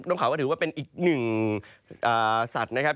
ต้องข่าวว่าถือว่าเป็นอีกหนึ่งสัตว์นะครับ